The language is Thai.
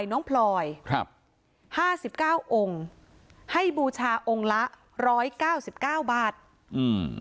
น้องพลอยครับห้าสิบเก้าองค์ให้บูชาองค์ละร้อยเก้าสิบเก้าบาทอืม